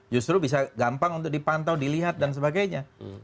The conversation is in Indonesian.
justru bisa gampang untuk dipantau dilihat dan sebagainya